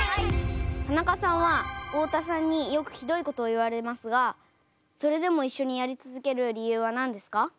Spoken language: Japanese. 田中さんは太田さんによくひどいことを言われますがそれでも一緒にやり続ける理由は何ですか？